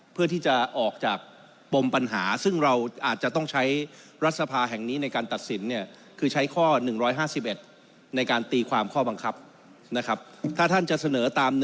เพื่อที่จะออกจากปมปัญหาซึ่งเราอาจจะต้องใช้รัฐสภาแห่งนี้ในการตัดสิน